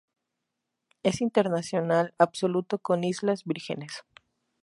Es internacional absoluto con Islas Vírgenes.